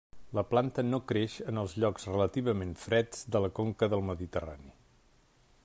La planta no creix en els llocs relativament freds de la conca del Mediterrani.